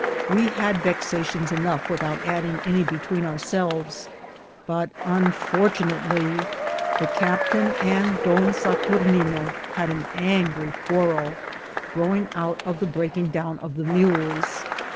We had vexations enough without add ing any between ourselves ; but, unfortunately, the cap tain and Don Saturnino had an angry quarrel, growing out of the breaking down of the mules.